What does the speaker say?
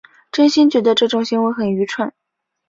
真心觉得这种行为很愚蠢